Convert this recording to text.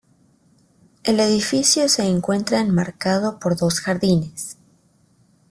El edificio se encuentra enmarcado por dos jardines.